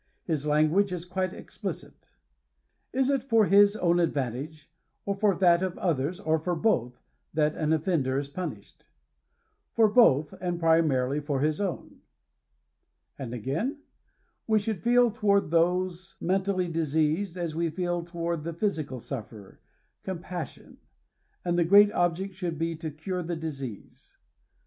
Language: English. His language is quite explicit. «• Is it for his own advantage, or for that of others, or for both," that an offender is punished ?" For both, and pri marily for his own." And again, " we should feel toward those mentally diseased, as we feel toward the physical sufferer * compassion ; and the great object should be to cure the disease.